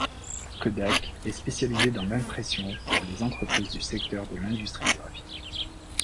Kodak est spécialisé dans l’impression pour les entreprises du secteur de l'industrie graphique.